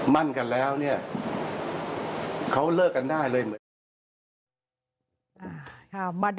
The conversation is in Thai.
มั่นกันแล้วเนี่ยเขาเลิกกันได้เลย